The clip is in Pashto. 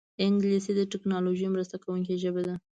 انګلیسي د ټیکنالوژۍ مرسته کوونکې ژبه ده